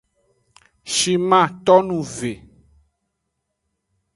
Shiman tonu ve.